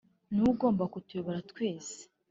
Ni we ugomba kutuyobora twese